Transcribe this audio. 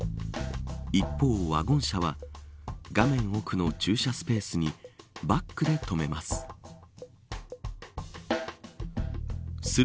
一方、ワゴン車は画面奥の駐車スペースにバックで止めます。